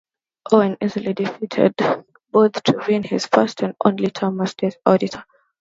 Owen easily defeated both to win his first and only term as State Auditor.